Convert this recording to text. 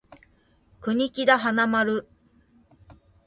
国木田花丸